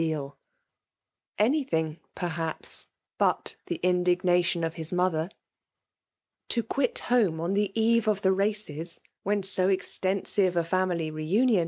14 FEMALE DOMINATION. Any thing, perhaps, but the indignatioB of his mother ! To quit home on the eve of the races, when so extensive a £eimily reunion